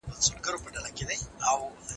د سياست علم د مځکي پر مخ خپور سو.